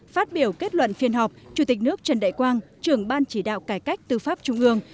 phát biểu kết luận phiên họp chủ tịch nước trần đại quang trưởng ban chỉ đạo cải cách tư pháp trung ương